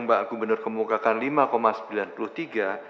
pertumbuhan dana pihak ketiga yang pak gubernur kemukakan lima sembilan puluh tiga